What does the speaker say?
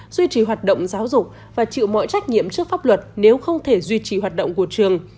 duy trì hoạt động giáo dục và chịu mọi trách nhiệm trước pháp luật nếu không thể duy trì hoạt động của trường